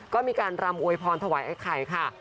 ก็มีการรำอวยพรถวายไอ้ไข่ค่ะ